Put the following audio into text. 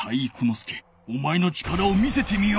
介おまえの力を見せてみよ！